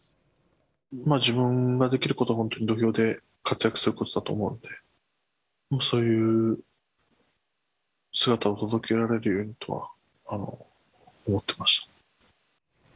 自分ができることは本当に土俵で活躍することだと思うので、そういう姿を届けられるようにとは思ってました。